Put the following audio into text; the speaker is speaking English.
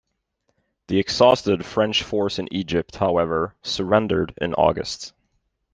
The exhausted French force in Egypt, however, surrendered in August.